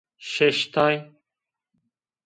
Şeştay